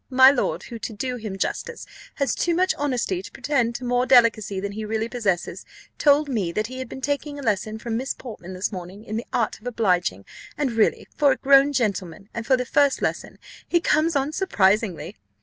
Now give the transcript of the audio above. My lord, who, to do him justice, has too much honesty to pretend to more delicacy than he really possesses, told me that he had been taking a lesson from Miss Portman this morning in the art of obliging; and really, for a grown gentleman, and for the first lesson, he comes on surprisingly.